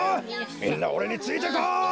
みんなおれについてこい！